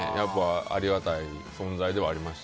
ありがたい存在ではありました。